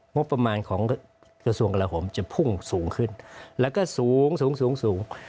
งบประมาณของกระทรวงกระหมจะพุ่งสูงขึ้นแล้วก็สูงสูง